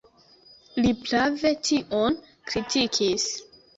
Li prave tion kritikis.